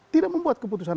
tidak membuat keputusan